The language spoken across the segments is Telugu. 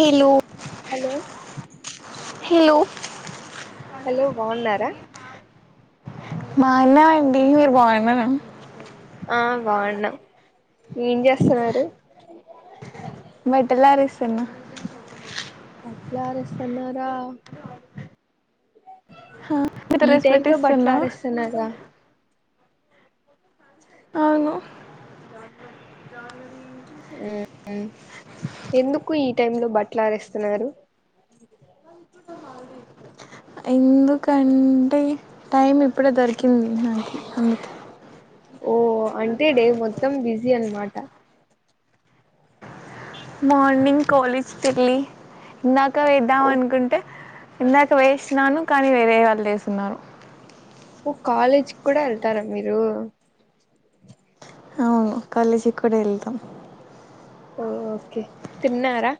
హెల్ హలో లైన్ హలో బగున్నారా మాన్న వడి మీరు పోాన్న ఆ బాగున్నా ఏం చేస్తున్నారు బటల అరసున్న వాట్లా రస్తున్నారా ఈ డ్రెస్ టైమ్ లో బట్టలు పెట్టిస్తున్నా ఆరేస్తున్నార అవును ఎందుకు ఈ టైమ్ లో బట్టలుారేస్తున్నారు ఎందుకంట టైం ఇప్పుడ దొరి క్కింది నాకి అందుకే ఓ అంటే డే మొత్తం బిజీ అనమాట మార్నింగ్ కాలేజ్ ఇందాక వేద్దాం అనుకుంటే ఇందాక వేసాను కానీ వేరే వాళ్ళు చేస్తున్నారు ఓ కాలేజ్ కూడా వెళ్తారా మీరు అవును కాలేజీకి కూడా వెళ్తాం ఓ ఓకే తిన్నారా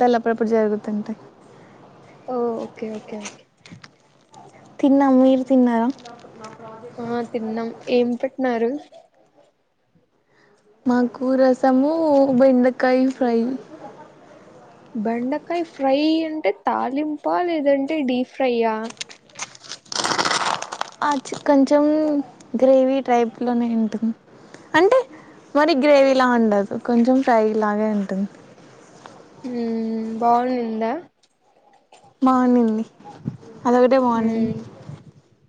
తల్లప్పుడప్పుడు జరుగుతుంటాయి ఓ ఓకే ఓకే ఓకే తిన్నాము మీరు తిన్నారా ఆ తిన్నాం ఏం పెట్టినారు మాకు రసము బెండకాయ ఫ్రై బెండకాయ ఫ్రై అంటే తాలింప లేదంటే డీప్ ఫ్రైయ్యా ఆ చి కొంచెం గ్రేవీ టైప్ లోనే ఉంటుంది అంటే మరి గ్రేవీలా ఉండదు కొంచెం ఫ్రై లాగే ఉంటుంది హ బాగుందిందా బాగునంది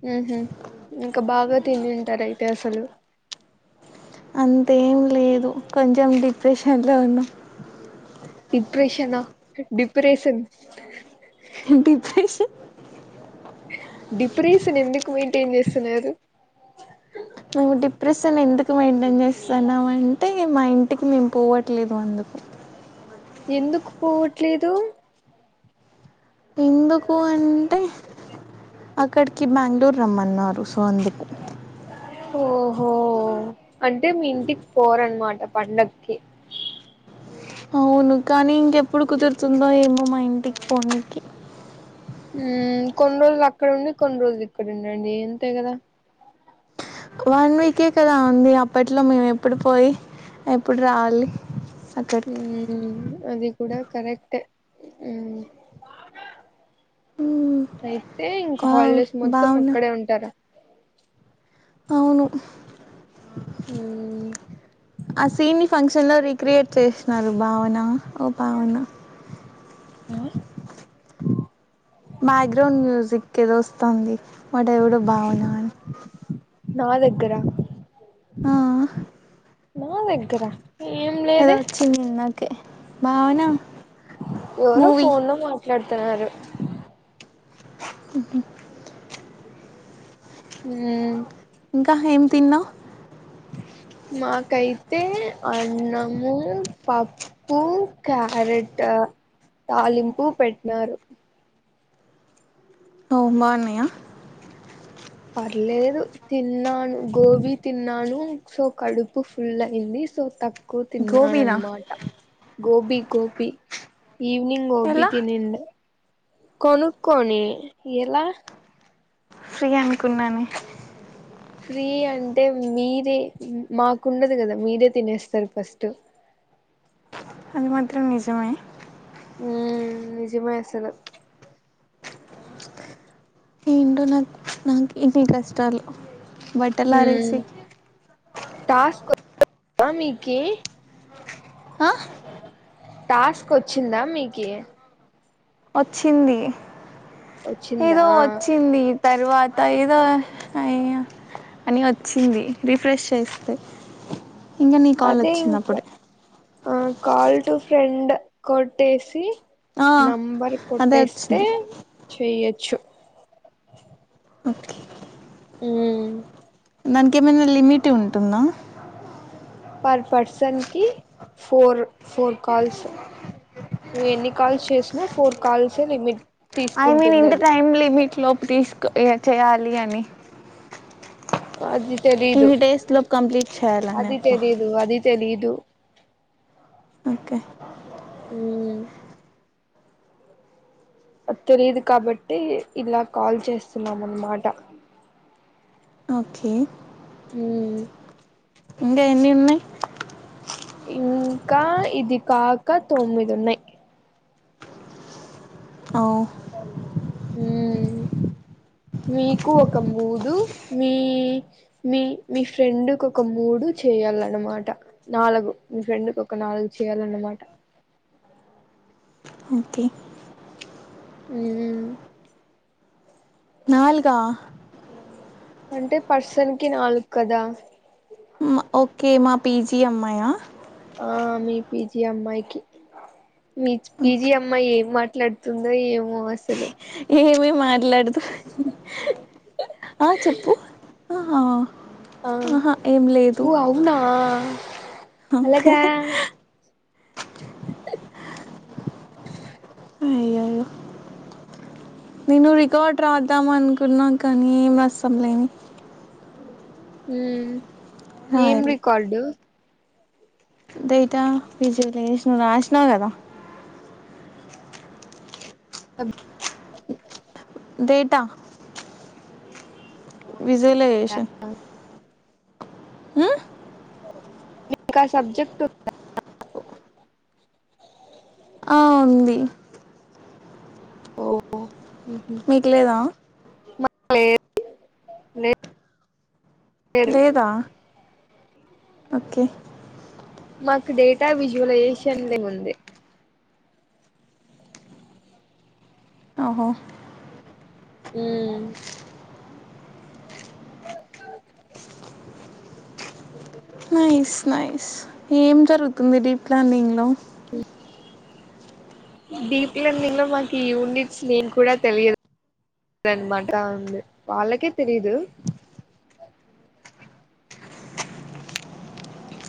హహ ఇంకా బాగా తింటారు అయితే అసలు అంతేం లేదు కొంచెం డిప్రెషన్లో ఉన్నాం డిప్రెషనా డిప్రెషన్ డిప్రెషన్ డిప్రెషన్ ఎందుకు మెయింటైన్ చేస్తున్నారు మేము డిప్రెషన్ ఎందుకు మెయింటైన్ చేస్తుాన్నాం అంటే మా ఇంటికి మేము పోవట్లేదు అందుకు ఎందుకు పోవట్లేదు ఎందుకు అంటే అక్కడికి బెంగళూరు రమ్మన్నారు సో అందుకు ఓహో అంటే మీ ఇంటికి పోరన్నమాట పండకి అవును కానీ ఇంకెప్పుడు కుదురుతుందో ఏమో మా ఇంటికి ఫోన్కి కొన్ని రోజులు అక్కడ ఉండి కొన్ని రోజులు ఇక్కడ ఉండండి ఎంతే కదా వన్ వీకే కదా ఉంది అప్పట్లో మేము ఎప్పుడు పోయి ఎప్పుడు రావాలి అక్కడికి హ అది కూడా కరెక్ట్ అయితే ఇంకా వావ్ హాలిడేస్ మొత్తం భావన అక్కడే ఉంటారా అవును ఉమ్ అస ఫక్ష న్ లో రిక్రియేట్ చేస్తున్నారు భావన ఓ భావన ఆ బ్యాక్గ్రౌండ్ మ్యూజిక్ ఏదో వస్తుంది మా దడేవుడు బాగున్నాని నా దగ్గరా ఆ, నా దగ్గర ఏం ఏదో లేదే వచ్చిందకే భావన ఎవరో మూవీ ఫోన్ లో మాట్లాడుతున్నారు అ హ ఇంకా ఏం తిన్నావు మాకైతే అన్నము పప్పు క్యారెట్ తాలింపు పెట్టిన [unintelligible] పర్లేదు తిన్నాను గోబీ తిన్నాను సో కడుపు ఫుల్ అయింది తక్కువ గోబీనా తిన్నానన్నమాట గోబి గోబి ఈవ్నింగ గోబి ఎలా థినింధి కొనుక్కకోని ఎలా ఫ్రీ అనుకున్నాను ఫ్రీ అంటే మీరే మాకుండదు కదా మీరే తినేస్తారు ఫస్ట్ అది మాత్రం నిజమే ఉమ్ నిజమేసలు ఏంటో నాక్ నాకు ఇన్ని కష్టాలు, హ్మ్ బట్టలారేసి టాస్క్ [inaudible] మీకి ఆహ్ టాస్క్ ఒచ్చిందా మీకి వచ్చింది వచ్చిందా ఏదో ఒచ్చింది తరువాత ఏదో అయ్య అని వచ్చింది రిఫ్రెష్ చేస్తే ఇంగ నీ కాల్ అదే వచ్చింది ఇంకా అప్పుడే ఆ కాల్ టు ఫ్రెండ్ కొట్టేసి ఆ నంబర్ అదే కొట్టేస్తే వచ్చింది చెయ్యొచ్చు. ఓకే ఉమ్ దానికేమైనా లిమిట్ ఉంటుందా? పర్ పర్సన్కి ఫోర్, ఫోర్ కాల్స్ నువ్వు ఎన్ని కాల్స్ చేసినా ఫోర్ కాల్సే లిమిట్ ఐ మీన్ తీసుకుంటుంది ఇంత అది టైం లిమిట్ లోపు తీసుకో ఇగ చేయాలి అని అది తెలీదు, ఇన్ని డేస్ లోపు కంప్లీట్ చేయాలని అది అట్లా తెలీదు, అది తెలీదు. ఓకే ఉమ్ అద్ తెలిదు కాబట్టే ఇలా కాల్ చేస్తున్నాం అన్నమాట. ఓకే ఉమ్ ఇంగ ఎన్ని ఉన్నయి? ఇంకా ఇది కాక తొమ్మిదున్నయి అహొ ఉమ్ మీకు ఒక మూడు, మీ మీ మీ ఫ్రెండ్ కొక మూడు చే చెయాలన్నమాట నాలగు మీ ఫ్రెండ్కి ఒక నాలుగు చెయాలన్నమాట. ఓకే ఉమ్ ఉమ్ నాలుగా? అంటే పర్సన్ కి నాలుగు క్కదా మ ఓకే మా పీజీ అమ్మాయా? ఆ మీ పీ జీ అమ్మాయికి, మీ పీ జీ ఓకే అమ్మాయి ఏం మాట్ ట్లాడుతుందో ఏమో అసలు ఏమేం మాట్లాడుతద్ ఆ చెప్పు ఆహా హా ఓ అవునా ఓకే అలాగా అయ్యయ్యో నేను రికార్డ్ రాద్దామనుకున్నా కనీ [unintelligible] లేదె ఉమ్ ఏం రికార్డు? దటా [unintelligible] లేష్ ను రాష్నవ్ గదా డేటా విజువలైజేషన్ నీకా సబ్జెక్ట్ ఉందా ఆ ఉంది ఓ ఉహు మీకు లేదా మాకు లేద్ లేదు లేదా, ఓకే. మాకు డేటా విజువలైజేషన్ [inaudible] ఉంది ఓహో ఊ నైస్ నైస్ ఏం జరుగుతుంది డె ప్లానింగ్ లో ఉ డీప్ లెర్డింగ్ లో మాకు ఈ యూనిట్స్ నేమ్ కూడా తెలియదు అనమాట ఉంది వాళ్ళకే తెలీదు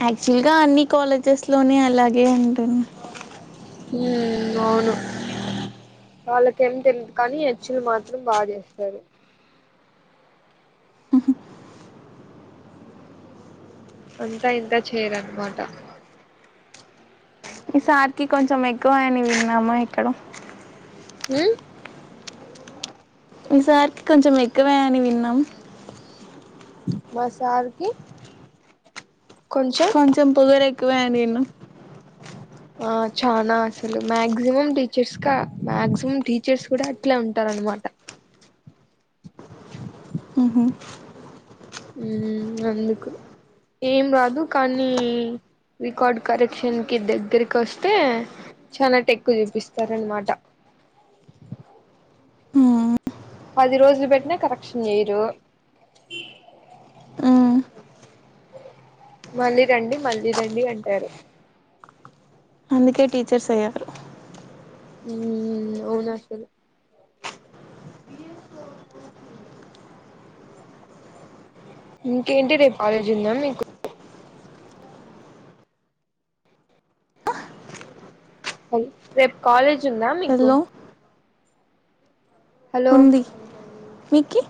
యాక్చువల్ గా అన్ని కాలేజెస్ లోనే అలాగే ఉంటును ఉమ్ అవును వాళ్ళక్ ఎంతెన్ కానీ హెచ్చులు మాత్రం బా చేేస్తరు అంతా ఇంకా చేయరన్నమాట మీ సార్ కి కొంచెం ఎక్కువ అని విన్నాము ఇక్కడ ఉ మీ సార్ కి కొంచెం ఎక్కువే ఆని విన్నాం మా సార్ కి కొంచెం పొగరు ఎక్కువే అని విన్నం ఆ చానా అసలు మాక్సిమం టీచర్స్ కా మాక్సిమం టీచర్స్ కూడా అట్లా ఉంటారు అనమా మాట మ్హూ. ఊ అందుకు ఏం రాదు కానీ రికార్డ్ కరెక్షన్ కి దగ్గర కొస్తే చాలా టెక్కు చూపిస్తార అనమాట మ్, పది రోజులు పెట్టిన కరెక్షన్ జేయరు మ్. మళ్ళీ రండి మళ్ళీ రండి అంటారు అందుకే టీచర్స్ అయ్యారు ఊమ్ అవున్ అస్సలు ఇంకేంటి రేపు ఆలేజ్ ఉందా మీకు రేప్ కాలేజ్ ఉందా మీకు హలో హలో ఉంది మీకి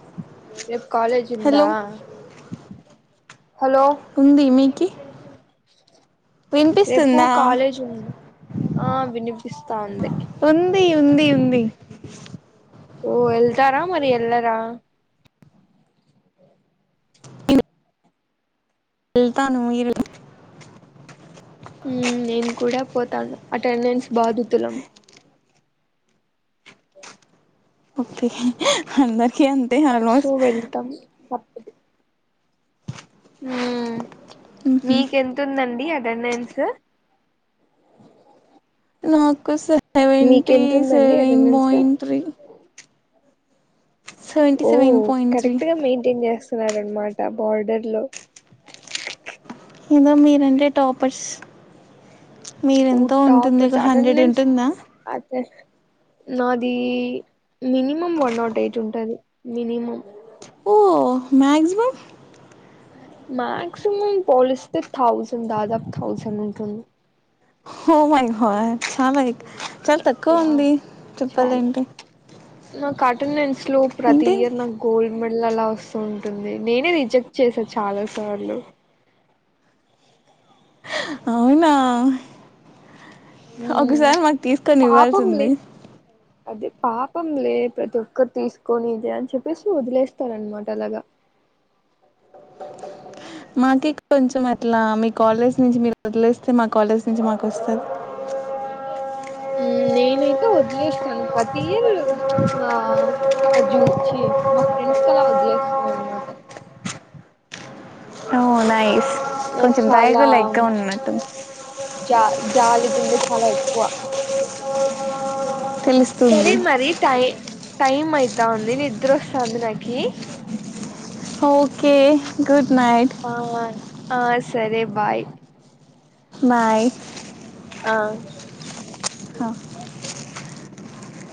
రేప్ కాలేజ్ ఉందా హలో ఉంది మీకి రేపూ వినిపిస్తుందా కాలేజ్ ఉంది ఆ వినిపిస్తా ఉంది ఉంది ఉంది ఉంది ఓ ఎళ్తారా మరి ఎళ్ళరా ఎళ్తాను ఇల్ ఊమ్ నేను కూడా పోతాను అటెండెన్స్ బాధితులము ఒకె అందరికీ అంతే సో ఆల్మోస్ట్ వెళ్తాం తప్పదు ఊమ్ మీకెంతుందండి అ టన్నన్స్ నాకు seventy seven attendance point three seventy ఓ సెవెన్ పాయింట్ త్రీ కరెక్ట్ గ మెయింటైన్ చేస్ స్తునారనమాట బార్డర్ లో ఏదో మీరంటే టాపర్స్ ఓ మీదెంతో ఉంటుంది టాపర్స్ కు హండ్రెడ్ ఉంటుందా నాదీ మినిమం వన్నాట్ ఎయిట్ ఉంటది మినిమం ఓ మ్యాగ్జిమమ్ మాక్సిమం పోలిస్తె థౌజండ్ దాదాపు థౌజండ్ ఉంటుంది ఓ మై చాలాైక్ చాలా తక్కువ యా ఉంది చెప్పాల ఏంటి నాక్ అటెన్డెన్స్ లో ప్రతి ఇయర్ నాక్ గోల్ మెడల్ మళ్ళ అలా వస్తూ ఉంటుంది. నేనే రిజెక్ట్ చేశ చాలా సార్లు అవునా? హ్ ఉమ్ ఒకసారి మాక్ తీసుకొని ఇవ్వాల్సింది. అది పాపంలే ప్రతి ఒక్కరు తీసుకొని ఇది అని చెప్పేసి, ఒదిలేస్తారన్నమాట అలాగ. [inaudible] మాకే కొంచెం అట్లా మీ కాలేజ్ నుంచి మీరు ఒదిలిస్తే మా కాలేజ్ నుంచి మాక్ వస్తది [unintelligible] ఉ నేనైతే ఒదిలేస్తాను ప్రతీ ఇయర్ వా జూ చ్చి మా ఫ్రెండ్స్ కి అలా ఓదిలేస్తానన్న మాట ఓ నైస్ అందంగున్నవని నాక్ కొంచెం చాలా దయగా లైక్గా ఉన్నట్టు జా జాలి గుండె చాల ఎక్కువ. సరే తెలుస్తుంది మరి టై టైం అయితాంది నిద్ర ఒస్తాంది నాకీ- ఒకే గుడ్. నైట్ ఆవ్ ఆ సరే బాయ్. బాయ్. ఆ హ [inaudible]